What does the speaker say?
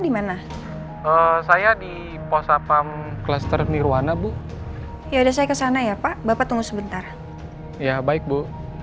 dimana saya di posapam kluster nirwana bu yaudah saya kesana ya pak bapak tunggu sebentar ya baik bu